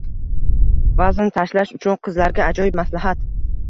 Vazn tashlash uchun qizlarga ajoyib maslahat